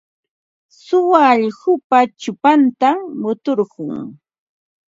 Suwa allqupa chupantam muturqun.